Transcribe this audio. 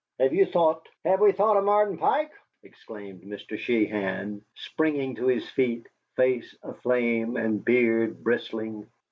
Have you thought " "Have we thought o' Martin Pike?" exclaimed Mr. Sheehan, springing to his feet, face aflame and beard bristling.